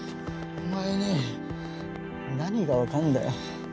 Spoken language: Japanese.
お前に何が分かんだよ。